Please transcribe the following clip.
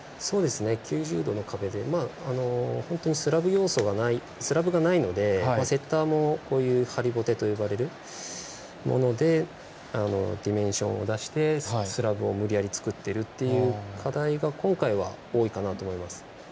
９０度の壁で、本当にスラブがないので、セッターもこういうハリボテと呼ばれるものでディメンションを出してスラブを無理やり作っているという課題が今回は多いと思います。